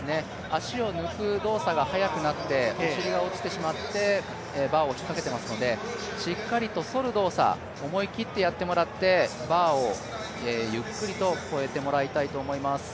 足を抜く動作が速くなってお尻が落ちてしまって、バーを引っかけてしまったのでしっかりとそる動作を思い切ってやってもらってバーをゆっくりと越えてもらいたいと思います。